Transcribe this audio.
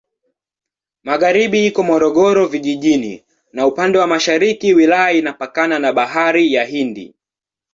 Magharibi iko Morogoro Vijijini na upande wa mashariki wilaya inapakana na Bahari ya Hindi.